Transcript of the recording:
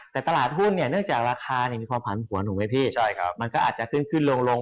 แต่ตลาดหุ้นเนี่ยเรื่องความหัวถูกมันก็อาจจะขึ้นคันลง